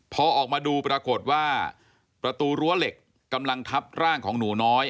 พอออกมาดูปรากฏว่าประตูรั้วเหล็กกำลังทับร่างของหนูน้อย